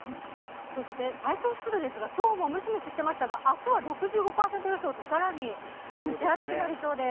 最小湿度ですが、今日もムシムシしていましたが明日は６５％予想と更に蒸し暑くなりそうです。